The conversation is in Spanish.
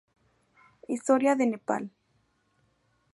Historia de Nepal